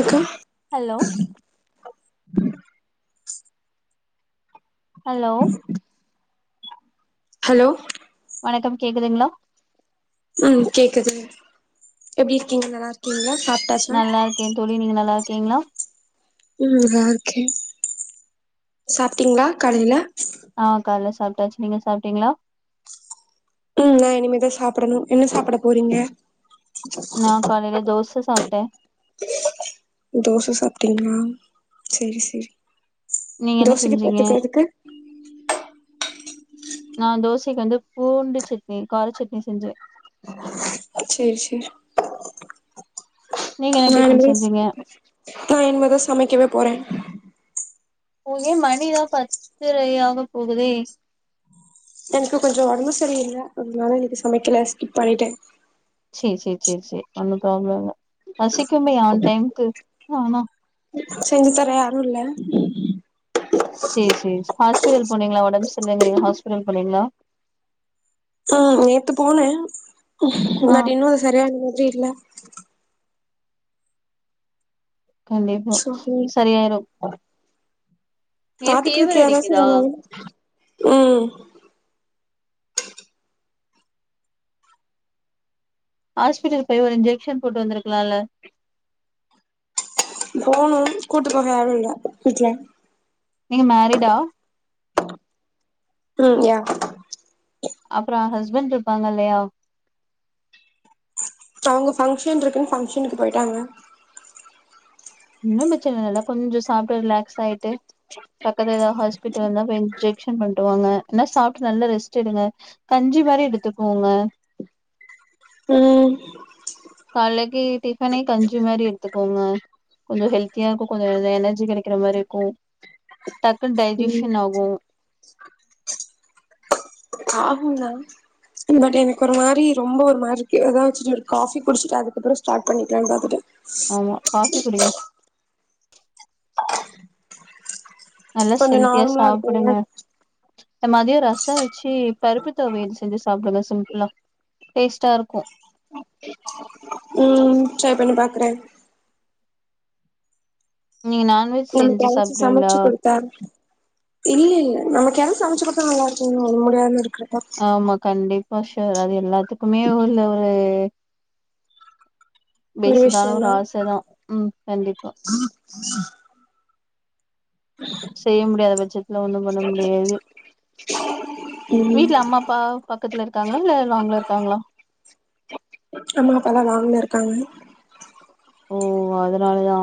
அக்கா hello [inaudible] [inaudible] hello hello வணக்கம் கேக்குதுங்களா உம் கேக்குதுங் எப்படி இருக்கீங்க நல்லா இருக்கீங்களா சாப்ட்டாச்சா நல்லா இருக்கேன் தோழி நீங்க நல்லா இரு கீங்களா உம் நல்லா இருக்கேன் சாப்பிட்டீங்களா காலையில ஆஹ் காலைல சாப்பிட்டாச்சு நீங்க சாப்பிட்டீங்களா உம் நான் இனிமேதான் சாப்பிடணும் என்ன சாப்பிட போறீங்க நா காலையில தோச சாப்ட்டே தோசை சாப்டிங்களா சேரி சேரி நீங்க என்ன தோசைக்கு தொட்டுகுறதுக்கு நான் தோசைக்கு வந்து பூண்டு சட்னி கார சட்னி செஞ்சேன் சேர் சேரி நீங்க என்ன நா டிஃபன் இனிமே செஞ்சீங்க நா இனிமேதா சமைக்கவே போறே ஒ ஏ மணிதா பத்துரை ஆகப் போகுதே என்க்கு கொஞ்ச ஒட்ம்பு சரியில்ல அதனால இனனிக்கு சமைக்கல ஸ்கிப் பண்ணிட்டே சேர் சேர் சேர் சேரி ஒன்னு ப்ராப்ளோல்ல பசிக்குமே ஆன் டைம்க்கு ஆனா செஞ்சு தர யாரு இல்ல சேர் சேரி சேரி ஹாஸ்பிட்டல் போனீங்களா ஒடம் சர்ல்லங்குறீங்க ஹாஸ்பிடல் போனிங்ளா ஆ நேத்து போன ஆ பட் இன்னு அது சரியான மாத்ரி இல்ல கண்டிப்பா சோ சரியாயிரு ஏ பாத்துக்றக்கு ஃபீவர் யாராச்சு அடிக்குதா வைங்க ம் ஹாஸ்பிடல் போய் ஒரு இஜ்ஜெக்க்ஷன் போட்டு வந்துருக்கலால்ல போணு கூட்டு போக யாரு இல்ல வீட்ல நீங்க மேரிடா ம் யா அப்ற ஹஸ்பண்ட் இருப்பாங்க இல்லையா அவங்க ஃபங்க்ஷன் இருக்குன்னு ஃபங்க்ஷனுக்கு போய்டாங்க ஒண்ணும் பிரச்சன இல்ல கொஞ்சம் சாப்ட்டு ரிலாக்ஸ் ஆயிட்டு பக்கத்து ஏதாவது ஹாஸ்பிட்டல் இருந்தா போய் இன்ஜெக்க்ஷன் பண்ணிட்டுவாங்க என்னா சாப்ட்டு நல்லா ரெஸ்ட் எடுங்க கஞ்சி மாரி எடுத்துக்கோங்க ம் காலலேக்கு டிஃபனே கஞ்சி மாரி எடுத்துக்கோங்க கொஞ்ச ஹெல்தியாருக்கு கொஞ்ச எனர்ஜி கெடைக்கிற மாரி இருக்கு டக்குன்னு ம் டைஜஷன் ஆகு ஆகுந் தா பட் எனக்கு ஒரு மாரி ரொம்ப ஒரு மாரிக்கு ஏதாச்சு ஒரு காஃபி குடிச்சிட்டு அதுக்கப்பற ஸ்டார்ட் பண்ணிக்கலானு பாத்துட்ட ஆமா காபி குடிங்க நல்லா கொஞ்ச நார்மலா இருக்குங்க ந மதியம் ரசம் வச் சேரி பருப்பு தொவயல் செஞ்சி சாப்டுங்க சிம்பிளா டேஸ்டாருக்கும் ம் ட்ரை பண்ணி பாக்கறே நீங்க நான்வெஜ் நமக்கு செஞ்சு யாராச்சும் சாப்டுவீங்களா சமச்சு குடுத்தா இல்லே ல்ல நமக்கு யாராது சமைச்சு குடுத்தா நல்லா இருக்கும்ல முடியாது இரு ஆமா கண்டிப் பிரஷர் அது எல்லாத்துக்குமே உள்ள ஒரு பேசிக்கான ஒரு ஆச தா உம் கண்டிப்பா செய்ய முடியாத பட்சத்துல ஒண்ணும் பண்ண முடியாது ம் வீட்ல அம்மா அப்பா பக்கத்துல இருக்காங்களா இல்ல லாங்ல இருக்காங்களா அம்மா அப்பாலா வாங்கல இருக்காங்க ஓ அதுனாலயா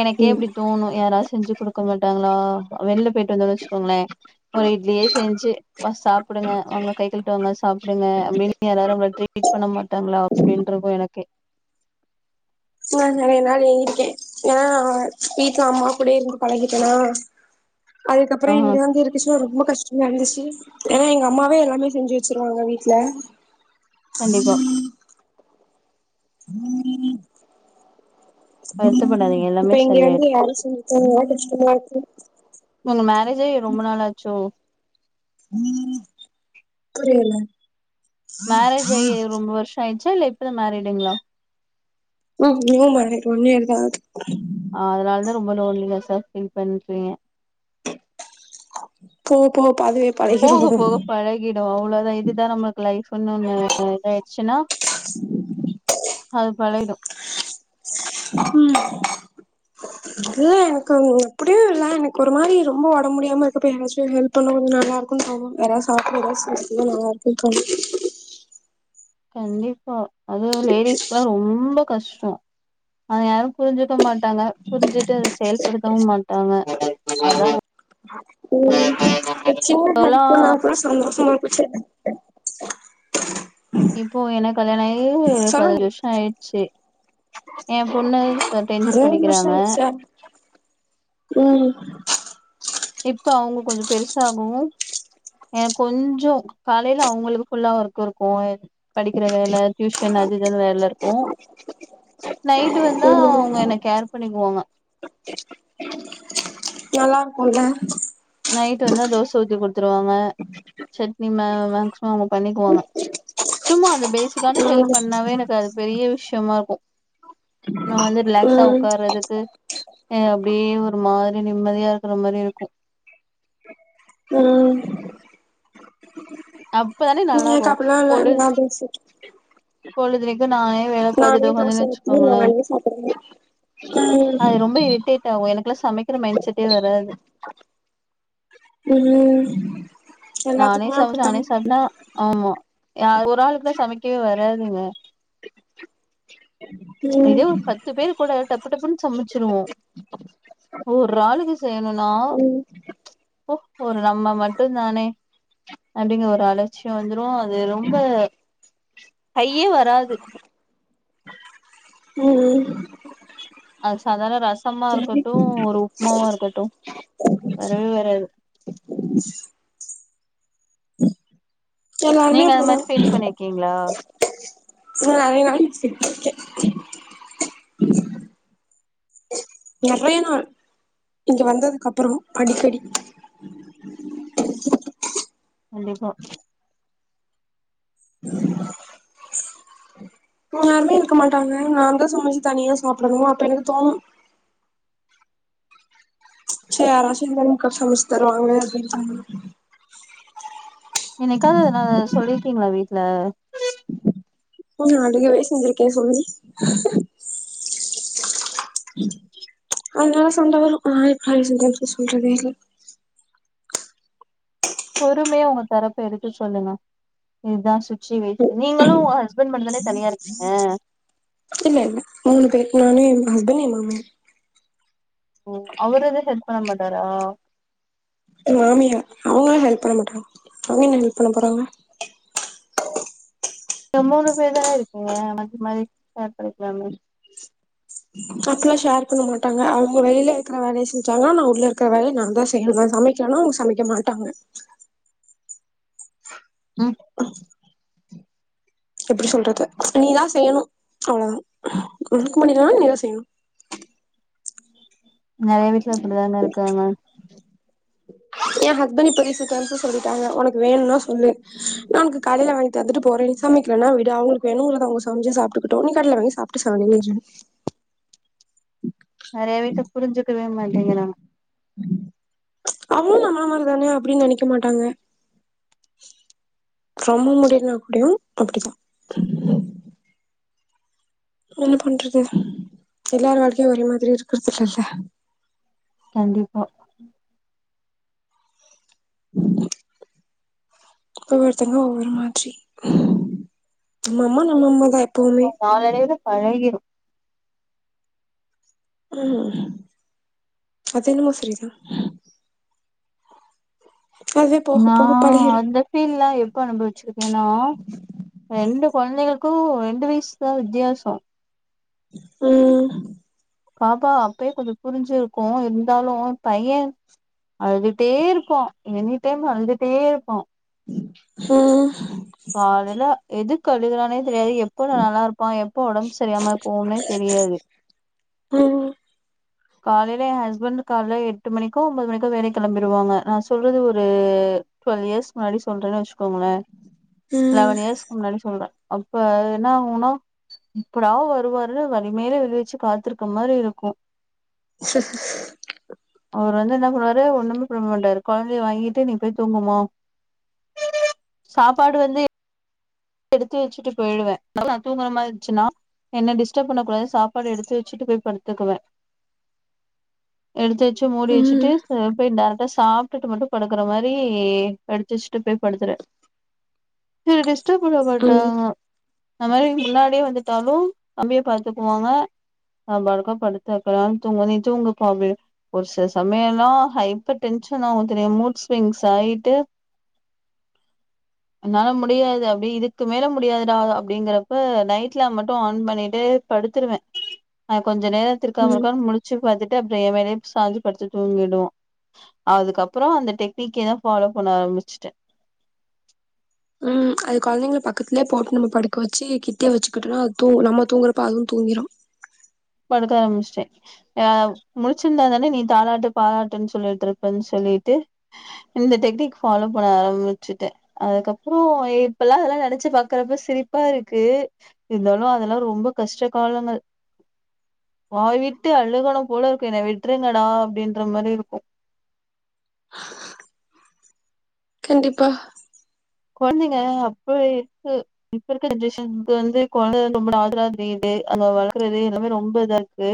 எனக்கே ம் இப்டி தோணு யாராது செஞ்சு குடுக்க மாட்டாங்களா வெளில போய்ட்டு வந்தோனு வச்சுக்கோங்கள ஒரு இட்லியே செஞ்சு சாப்டுங்க அவங்க கை கல்விட்டு வாங்க சாப்டுங்க அப்டின்னு யாரும் நம்மள ட்ரீட் பண்ண மாட்டாங்களா அப்டிண்டு இருக்கு எனக்கே நா நிறைய நாள் ஏங்கிருக்க ஏனா வீட்ல அம்மா கூடயே இருந்து பழகிட்டனா அதுக்கப்புறோ ஆ இங்க வந்து இருக்கச்சுல ரொம்ப கஷ்டோ நந்துச்சு ஏனா எங்க அம்மாவே எல்லாமே செஞ்சு வச்சிருவாங்க வீட்ல கண்டிப்பா வருத்தப்படாதீங்க இப்ப எல்லாமே இங்க சரியாயிரு வந்து யாரு செஞ்சு தரல கஷ்டமா இருக்கு ஒங்க மேரேஜ் ஆகி ரொம்ப நாளாச்சோ புரியல மேரேஜ் ஆயி ரொம்ப வருஷோ ஆச்சா ச இல்ல இப்பதா மேறிடுங்களா ம் நியூமேரீட் ஒன் இயர் தா ஆகுது ஆ அதனாலதா ரொம்ப லோல்லினெசா திங் பண்றீங்க போக போக அதுவே பழகிரு போக போக ம் பழகிடு அவ்ளோதா இதுதா நம்மளுக்கு லைஃப்ன்னு ஒரு இதாய்ச்சுன்னா அது பழயிடு ம் இல்ல எனக்கு எப்படியு இல்ல எனக்கு ஒரு மாரி ரொம்ப ஒடம்பு முடியாம இருக்கப்ப யாராச்சு ஹெல்ப் பண்ணா கொஞ்சோ நல்லா இருக்குன் தோணு யாராவது சாப்ட ஏதாவது நல்லா இருக்குன் தோனு கண்டிப்பா அது லேடிஸ்க்கலா ரொம்ப கஷ் டோ அது யாரு‌ புரிஞ்சுக்க மாட்ட டாங்க புரிஞ்சிட்டு செயல்படுத்தவு மாட்டா டாங்க அதா ம் இப்பல்லா [unintelligible] [unintelligible] இப்போ எனக் கல்யாணோ ஆயி சொல்லுங்க பதினஞ்சு வருஷோ ஆயிடுச்சு எ பொண்ணு டென்த் ஒரே ஒரு நிமிஷோ படிக்கிறாங்க சார் ம் இப்ப அவுங்க கொஞ்சோ பெருசா ஆகவு ஏ கொஞ்சோ காலைல அவங்களுக்கு ஃபுல்லா ஒர்க் இருக்கு படிக்கிற வேலை டியூஷன் அது இதுன் வேலை இருக்கு நைட் வந்தா ம் அவங்க என்ன கேர் பண்ணிக்குவாங்க நல்லா இருக்குல்ல நைட் வந்தா தோச ஊத்தி குடு துருவாங்க சட்னி ம மேக்சிமம் அவங்க பண்ணிகுவாங்க சும்மா அந்த பேசிக் கான ஹெல்ப் ம் பண்ணாவே எனக்கு அது பெரிய விஷ விஷயமா இருக்கு நம்ம வந்து ரிலாக்ஸா ம் உக்கார்றதுக்கு அப்டியே ஒரு மாரி நிம்மதியா இருக்குற மாரி இருக்கு ம் அப் நீ எனக்கு அப்டில்லா இல்ல [unintelligible] பொழுதினிக்கு நானே வேல நானே பாத்துட்டு தோச உக்காந்தேன்னு ஊத்தி வச்சுக்கோங்களே நானே சாபடனு அஹ் க்லா சமைக்கற மைண் செட்டே வராது உம் நானே சமச் நானே சாப்பனா ஆமா யா ஒரு ஆளுக்குனா சமைக்கவே வராதுங்க ச் இதே ம் ஒரு பத்து பேர் கூட டப் டப்புடப்புன்னு சமைச்சிருவோ ஒரு ஆளுக்கு செய்யணுனா ம் ச் போ ஒரு நம்ம மட்டுதானே அப்டிங்கற ஒரு அலட்சியோ வந்துரு அது ரொம்ப ஹையே வராது ம் அது சாதாரண ரசமா சரி இருக்கட்டு ஒரு உப்புமாவா இருக்கட்டு வரவே வராது எல்லாருமே நீங்க அந்த அப்டிதா மாரி ஃபீல் பண்ணிருக்கீங்ளா நா நெறைய ஃபீல் பண்ணிருக்கே நெறயா நாள் இங்க வந்ததுக்கு அப்பறோ அடிக்கடி கண்டிப்பா யாருமே இருக்க மாட்டாங்க நான்தா சமைச்சு தனியா சாப்டணு அப்ப எனக்கு தோணு சேர் [unintelligible] அக்கா சமச்சு தருவாங்கனு ஃபீல் பண்ணிர்கேன் என்னைக்காது அது நா சொல்லி ருக்கிங்ளா வீட்ல நா அழுகவே செஞ்சிருக்கே சொல்லி ஆனா சண்ட வரு [unintelligible] எப்டி சொல்றது பொறுமையா உங்க தரப்ப எடுத்து சொல்லுங்க இதுதா சுச்சுவேஷன் நீங்களு உங்க ஹஸ் இல்ல இல்ல மூணு பேரு நானு எ ஹஸ்பண்ட் எ மாமியா ஓ அவர் எதும் ஹெல்ப் பண்ண மாட்டாரா எங்க மாமியா அவுங்க ஹெல்ப் பண்ண மாட்டாங்க அவுங்க ஏன் ஹெல்ப் பண்ண போறாங்க நீங்க மூணு பேர் தானே இருக்கிங்க [unintelligible] மாரி ஷேர் பண்ணிக்லாமே அப்பில்லா ஷேர் பண்ண மாட்டாங்க அவுங்க வெளில இருக்ற வேலய செஞ்சாங்கன்னா நா உள்ள இருக்ற வேலய நா தா செய்னு நா சமைக்கனு அவுங்க சமைக்க மாட்டாங்க ம் எப்டி சொல்றது நீதா செய்யணு அவ்ளோ தா உனக்கு முடிலேனாலும் நீதா செய்யணு நெறயா வீட்ல இப்டிதாங்க இருக்காங்க என் ஹஸ்பண்ட் இப்ப ரீசண்ட் டைம்ஸ்ல சொல்லிட்டாங்க உனக்கு வேணுனா சொல்லு நா உன்க்கு கடேல வாங்கி தத்துட்டு போறே நீ சமைக்கலனா விடு அவுங்களுக்கு வேணும்ங்கறத அவுங்க சமைச்சு சாப்ட்டுக்கட்டு நீ கடேல வாங்கி சாப்ட்டு [unintelligible] நெறயா வீட்ட புரிஞ்சுக்கவே மாட்டீங்கறாங்க அவ்ளு நம்மள மாரிதானே அப்டின்னு நெனைக்க மாட்டாங்க ரொம்ப முடிலனா கூடயு அப்டிதா என்ன பண்றது எல்லாரு வாழ்க்கையு ஒரே மாதிரி இருக்கறதில்லல்ல கண்டிப்பா ஒவ்வொருத்தவங்களு ஒவ்வொரு மாதிரி நம்ம அம்மா நம்ம அம்மாதா நாளடைவுல பழகிரு ம் அதென்னமோ சரிதா அதுவே போக நா போக பழகிரு அந்த ஃபீல்லா எப்ப அனுபவிச்சிருக்கேனா ரெண்டு கொழந்தைகள் க்கு ரெண்டு வயசுதா வித்தியாச ம் பாப்பா அப்பயே கொஞ்ச புரிஞ்சுருக்கு இருந்தாலு பைய அழுதுட்டே இருப்பா எனி டைம் அழுதுட்டே இருப்பா ம் காலைல எதுக் கு அழுகறானே தெரியாது எப்ப நல்லா இருப்பா எப்ப ஒடம்பு சரியாம போகுன்னே தெரியாது ம் காலைல ஏ ஹஸ்பண்ட் கால எட்டு மணிக்கோ ஒன்பது மணிக்கோ வேலைக்கு களம்பிடுவாங்க நா சொல்றது ஒரு ட்வெல் இயர்ஸ் முன்னாடி சொல்றேன்னு வச்சுக்கோங்களே ம் லெவன் இயர்ஸ்க்கு முன்னாடி சொல்ற அப்ப என்ன ஆகுனா எப்படாவ வருவாரு வலிமேலே விழி வச்சு காத்திருக்க மாரி இருக்கு அவர் வந்து என்ன பண்ணுவாரு ஒன்னுமே பண்ண மாட்டாரு கொழந்தைய வாங்கிட்டு நீ போய் தூங்குமோ சாப்பாடு வந்து எடுத்து வச்சுட்டு போயிடுவ நா தூங்கற மாரி இருந்துச்சுன்னா என்ன டிஸ்டர்ப் பண்ண கூடாது சாப்பாடு எடுத்து வச்சுட்டு போய் படுத்துக்குவ எடுத்து வச்சு மூடி வச்சுட்டு போய் டார்க் சாப்ட்டுட்டு மட்டு படுக்குற மாரி எடித்துச்சட்டு போய் படுத்துருவ திருடிஸ் ச்ச பண்ண ம் மாட்டாங்க ம் அந்த மாரி முன்னாடியே வந்துட்டாலு தம்பிய பாத்துக்குவாங்க நம்பளுக்கு படுத்து எப்படா தூங்க நீ தூங்குபா அப்டினு ஒரு சில சமயல ஹைப்பர் டென்ஷன் அவு தெரியு மூட்ஸ்விங்ஸ் ஆயிட்டு என்னால முடியாது அப்டி இதுக்கு மேல முடியாதுடா அப்டிங்கறப்ப நைட் லேம்ப் மட்டு ஆன் பண்ணிட்டு படுத்துருவே கொஞ்ச நேர திருக்க ம் முருக்க முடிச்சு பாத்துட்டு அப்புற என்மேலயே சாஞ்சு படுத்து தூங்கிடுவ அதுக்கப்புற அந்த டெக்னிக்க தா ஃபாலோ பண்ண ஆரம்பிச்சுட்ட ம் அது கொழந்தைங்ல பக்கத்லயே போட்டு நம்ம படுக்க வச்சு கிட்டிய வச்சுக்கிட்டோனா அது நம்ம தூங்குறப்ப அதுவு தூங்கிரு படுக்க ஆரம்பிச்சிட்டே அ முழிச்சிருந்ததான நீ தாலாட்டு பாராட்டுன் சொல்லிட்டுருப்பனு சொல்லிட்டு இந்த டெக்னிக் ஃபாலோ பண்ண ஆரம்பிச்சுட்ட அதுக்கப்புற இப்பல அதெல்லா நெனைச்சு பாக்குறப்ப சிரிப்பா இருக்கு இருந்தாலு அதெல்லா ரொம்ப கஷ்ட காலங்கள் வாய்விட்டு அழுகல போலருக்கு என்ன விடுறங்கடா அப்டின்ற மாரி இருக்கு கண்டிப்பா கொழந்தைங்க அப்ப இருக்கு இப்ப இருக்க ஜெனரேஷன்க்கு வந்து [inaudible] அங்க வளர்க்கறது எல்லாமே ரொம்ப இதாருக்கு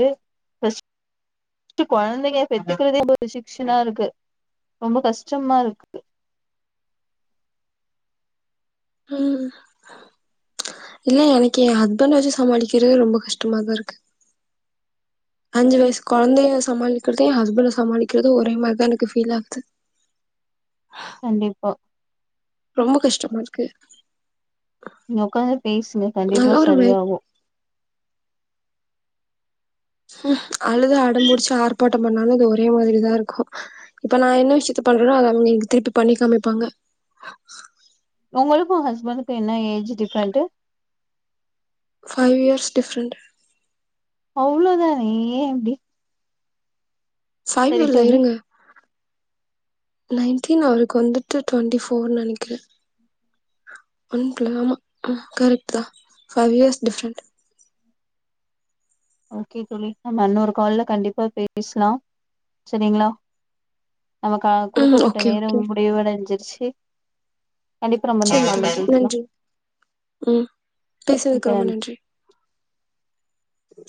ஃபர்ஸ்ட் கொழந்தைங்க பெத்துக்கறதே [inaudible] இருக்கு ரொம்ப கஷ்டமா இருக்கு ஆ இல்ல எனக்கு என் ஹஸ்பண்ட வெச்சு சமாளிக்கிறது ரொம்ப கஷ்டமாதா இருக்கு அஞ்சு வயசு கொழந்தைய சமாளிக்கிறது எ ஹஸ்பண்ட சமாளிக்கிறது ஒரே மாரிதா எனக்கு ஃபீல் ஆகுது கண்டிப்பா ரொம்ப கஷ்டமா இருக்கு நீங்க உக்காந்து பேசுங்க நல்ல கண்டிப்பா ஒரு மே சரியாகு ம் அழுது அடம்புடிச்சு ஆர்ப்பாட்ட பண்ணாலு அது ஒரே மாரிதா இருக்கு இப்ப நா என்ன விஷயத்த பண்றேனோ அத அவங்க எனக்கு திருப்பி பண்ணி காமிப்பாங்க உங்களுக்கு ஹஸ்பண்டுக்கு என்ன age different five years different அவ்ளோதான ஏ இப்டி சரி சைலர்ல தோழி இருங்க நைன்டீன் அவருக்கு வந்துட்டு டொன்டி ஃபோர்ன் நெனைக்ற ஒன்ப்ல ஆமா ஆ கரக்ட்தா ஃபை இயர்ஸ் டிஃபரண்ட் ஓகே தோழி நம்ம இன்னொரு கால்ல கண்டிப்பா பேசலாம் செரிங்ளா நமக்கான ம் குடுக்கப்பட்ட ஓகே ஓகே நேரம் முடிவடைஞ்சு ச்சு செரி தோழி நன்றி ம் பேசுனதுக்கு ரொம்ப நன்றி